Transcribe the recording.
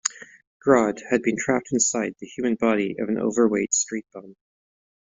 Grodd had been trapped inside the human body of an overweight street bum.